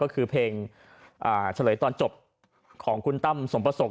ก็คือเพลงเฉลยตอนจบของคุณตั้มสมประสงค์